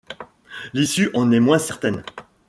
L'issue en est moins certaine.